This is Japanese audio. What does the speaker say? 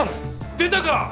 出たか！